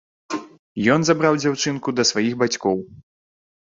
Ён забраў дзяўчынку да сваіх бацькоў.